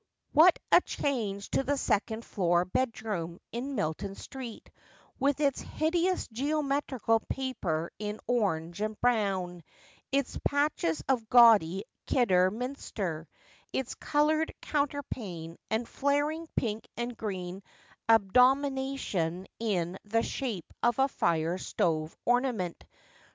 What a change to the second floor bed room in Milton Street, with its hideous geometrical paper in orange and brown, its patches of gaudy Kidderminster, its coloured counterpane, and flaring pink and green abomination in the shape of a fire stove ornament